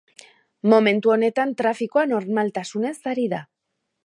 Momentu honetan trafikoa normaltasunez ari da.